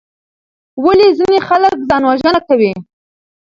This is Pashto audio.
ولې ځینې خلک ځان وژنه کوي؟